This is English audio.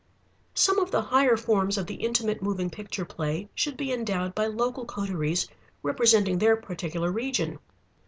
Some of the higher forms of the Intimate Moving Picture play should be endowed by local coteries representing their particular region.